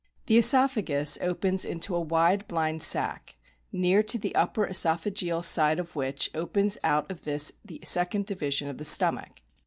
The oesophagus opens into a wide blind sac, near to the upper oesophageal side of which opens out of this the second division of the stomach.